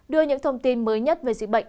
đưa những thông tin mới nhất về dịch bệnh